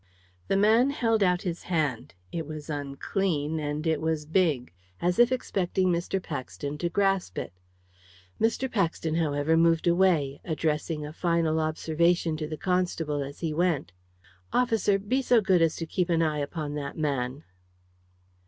The man held out his hand it was unclean and it was big as if expecting Mr. Paxton to grasp it. Mr. Paxton, however, moved away addressing a final observation to the constable as he went. "Officer, be so good as to keep an eye upon that man."